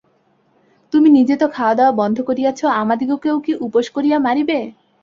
তুমি নিজে তো খাওয়াদাওয়া বন্ধ করিয়াছ, আমাদিগকেও কি উপোস করাইয়া মারিবে?